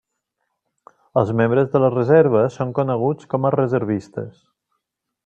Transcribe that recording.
Els membres de la reserva són coneguts com a reservistes.